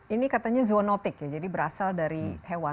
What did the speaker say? ini katanya zoonotik ya jadi berasal dari hewan